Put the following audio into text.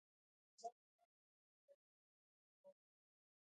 په افغانستان کې آب وهوا د خلکو د اعتقاداتو سره تړاو لري.